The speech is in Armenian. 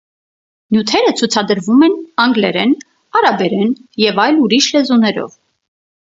Նյութերը ցուցադրվում են անգլերեն, արաբերեն և այլ ուրիշ լեզուներով։